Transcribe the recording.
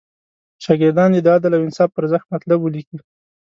شاګردان دې د عدل او انصاف پر ارزښت مطلب ولیکي.